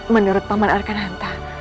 menurut paman arkananta